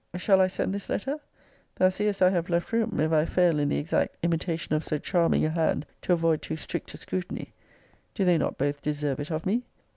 Shall I send this letter? Thou seest I have left room, if I fail in the exact imitation of so charming a hand, to avoid too strict a scrutiny. Do they not both deserve it of me?